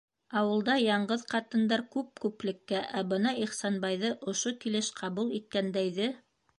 Ауылда яңғыҙ ҡатындар күп күплеккә, ә бына Ихсанбайҙы ошо килеш ҡабул иткәндәйҙе...